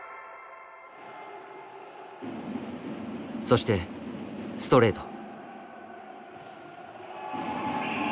そしてストレート。